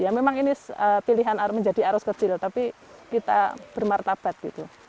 ya memang ini pilihan menjadi arus kecil tapi kita bermartabat gitu